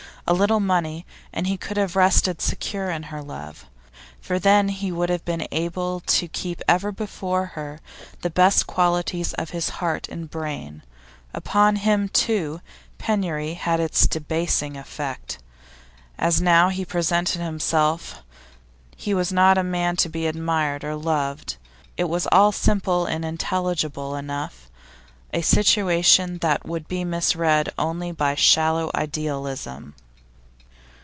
A little money, and he could have rested secure in her love, for then he would have been able to keep ever before her the best qualities of his heart and brain. Upon him, too, penury had its debasing effect; as he now presented himself he was not a man to be admired or loved. It was all simple and intelligible enough a situation that would be misread only by shallow idealism.